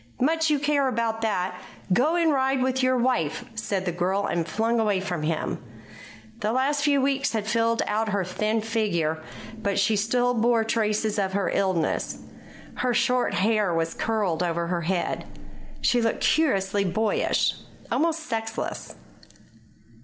"Much you care about that. Go and ride with your wife," said the girl, and flung away from him. The last few weeks had filled out her thin figure, but she still bore traces of her illness. Her short hair was curled over her head. She looked curiously boyish, almost sexless.